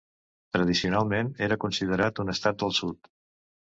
Tradicionalment era considerat un estat del Sud.